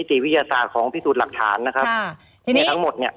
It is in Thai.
นิสีวิทยาศาสตร์ของพิสูจน์หลักฐานนะครับค่ะกี่นี้ทั้งหมดเนี้ย